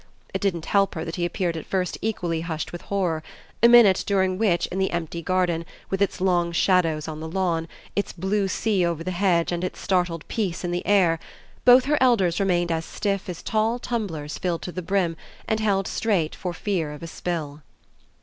It didn't help her that he appeared at first equally hushed with horror; a minute during which, in the empty garden, with its long shadows on the lawn, its blue sea over the hedge and its startled peace in the air, both her elders remained as stiff as tall tumblers filled to the brim and held straight for fear of a spill.